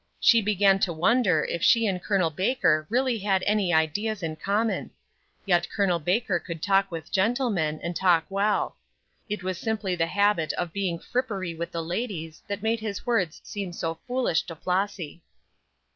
She began to wonder if she and Col. Baker really had any ideas in common; yet Col. Baker could talk with gentlemen, and talk well. It was simply the habit of being frippery with the ladies that made his words seem so foolish to Flossy.